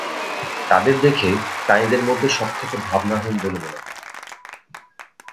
তাদের দেখে, প্রাণীদের মধ্যে সবথেকে ভাবনাহীন বলে মনে হয়।